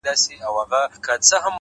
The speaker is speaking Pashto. هره شېبه د مثبت بدلون امکان لري!